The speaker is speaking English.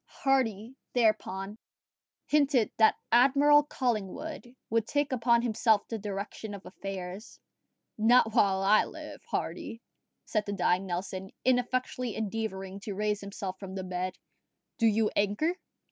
Hardy, thereupon, hinted that Admiral Collingwood would take upon himself the direction of affairs. "Not while I live, Hardy," said the dying Nelson, ineffectually endeavouring to raise himself from the bed: "do you anchor."